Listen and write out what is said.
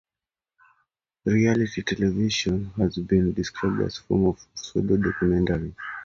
Reality television has been described as a form of pseudo-documentary.